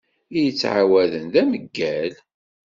I yettɛawaden d ameyyal.